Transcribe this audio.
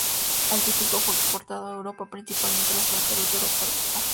El Tico fue exportado a Europa, principalmente a los mercados de Europa Oriental.